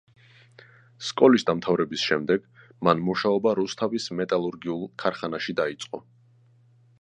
სკოლის დამთავრების შემდეგ, იგი მუშაობა რუსთავის მეტალურგიულ ქარხანაში დაიწყო.